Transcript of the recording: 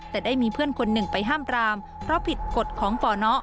แต่ได้มีเพื่อนคนหนึ่งไปห้ามปรามเพราะผิดกฎของปน